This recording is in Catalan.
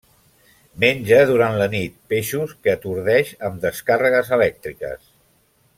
Menja, durant la nit, peixos que atordeix amb descàrregues elèctriques.